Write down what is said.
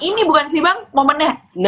ini bukan sih bang momennya